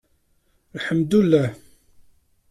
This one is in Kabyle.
Lḥemdulleh!